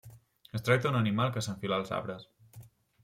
Es tracta d'un animal que s'enfila als arbres.